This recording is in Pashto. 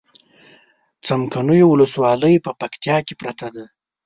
څمکنيو ولسوالي په پکتيا کې پرته ده